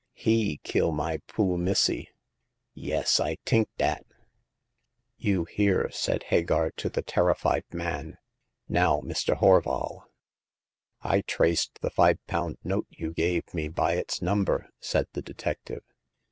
He kill my poo* missy —j'^es, I tink dat." You hear," said Hagar to the terrified man. '' Now, Mr. Horval." I traced the five pound note you gave me by its number," said the detective.